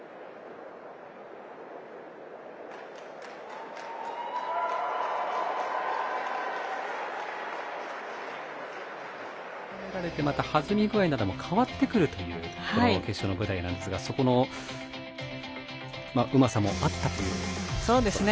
芝を２週間の中で踏み固められてまた弾み具合なども変わってくるという決勝の舞台なんですがそこのうまさもあったということなんですね。